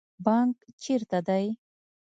بانک چیرته دی؟